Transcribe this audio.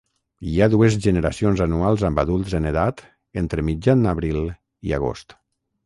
Hi ha dues generacions anuals amb adults en edat entre mitjan abril i agost.